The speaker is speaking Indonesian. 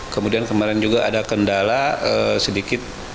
kemudian kemarin juga ada kendala sedikit